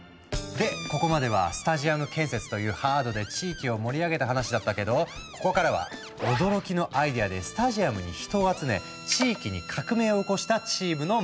でここまではスタジアム建設というハードで地域を盛り上げた話だったけどここからは驚きのアイデアでスタジアムに人を集め地域に革命を起こしたチームの物語。